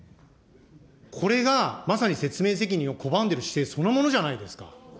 これがまさに説明責任を拒んでる姿勢そのものじゃないですか。